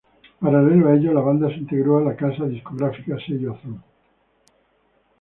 Paralelo a ello, la banda se integró a la casa discográfica Sello Azul.